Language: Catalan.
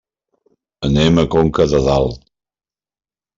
Anem a Conca de Dalt.